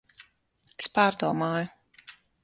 Es pārdomāju.